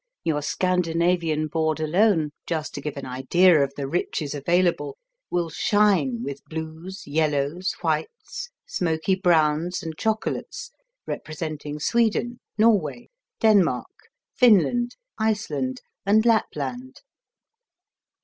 Your Scandinavian board alone, just to give an idea of the riches available, will shine with blues, yellows, whites, smoky browns, and chocolates representing Sweden, Norway, Denmark, Finland, Iceland and Lapland.